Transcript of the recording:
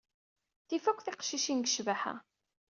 Tif akk tiqcicin deg ccbaḥa.